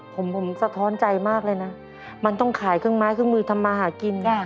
ผมผมสะท้อนใจมากเลยนะมันต้องขายเครื่องไม้เครื่องมือทำมาหากิน